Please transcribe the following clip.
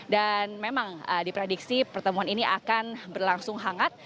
memang diprediksi pertemuan ini akan berlangsung hangat